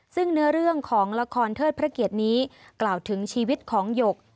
ซึ่งเนื้อเรื่องของละครเทิดพระเกียรตินี้กล่าวถึงชีวิตของหยก